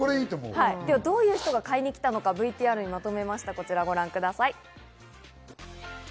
どういう人が買いに来たのかＶＴＲにまとめました、ご覧ください。